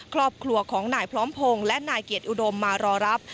ครอบครัวของนายพร้อมพงศ์และนายเกียรติอุดมมารอรับ